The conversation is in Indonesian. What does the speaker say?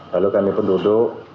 lalu kami pun duduk